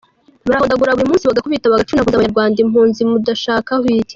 Barahondagura buri munsi bagakubita bagacunaguza abanyarwanda impunzi mudushakaho iki?